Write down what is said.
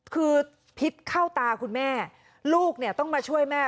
คือพิษเข้าตาคุณแม่ลูกเนี่ยต้องมาช่วยแม่